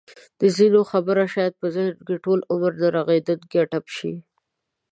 د ځینو خبره شاید په ذهن کې ټوله عمر نه رغېدونکی ټپ شي.